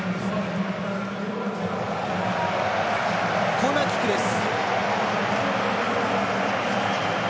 コーナーキックです。